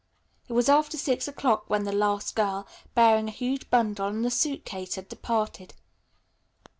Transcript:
It was after six o'clock when the last girl, bearing a huge bundle and a suit case, had departed.